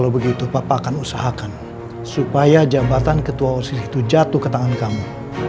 begitu papa akan usahakan supaya jabatan ketua osih itu jatuh ke tangan kamu